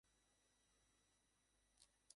আশা তখন ঘরে আসিয়া ধীরে ধীরে সমস্ত চিঠি পড়িয়া শুনাইল।